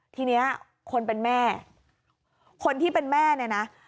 ทีนี้คนเป็นแม่คนที่เป็นแม่เนี่ยนะ